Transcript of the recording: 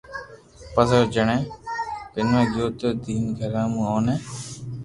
پسي او جڻي پينوا گيو تو تين گھرو مون اوني